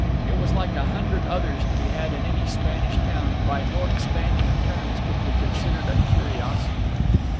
It was like a hundred others to be had in any Spanish town, and by no expanding of terms could it be considered a curiosity.